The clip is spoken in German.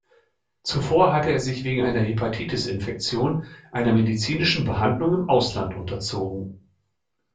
Zuvor hatte er sich wegen einer Hepatitis-Infektion einer medizinischen Behandlung im Ausland unterzogen.